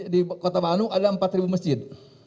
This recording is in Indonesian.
di kota bandung ada empat masjid